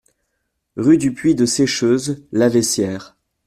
Rue du Puy de Seycheuse, Laveissière